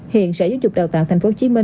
hiện sở giáo dục đào tạo tp hcm